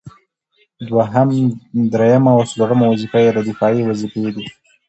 دوهم، دريمه او څلورمه وظيفه يې دفاعي وظيفي دي